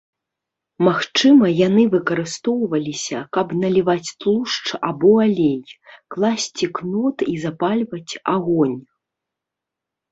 Магчыма яны выкарыстоўваліся, каб наліваць тлушч альбо алей, класці кнот і запальваць агонь.